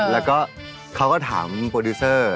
แล้วก็เขาก็ถามโปรดิวเซอร์